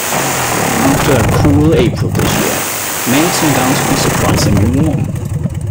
After a cool April this year, May turned out to be surprisingly warm